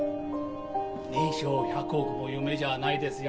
年商１００億も夢じゃないですよ。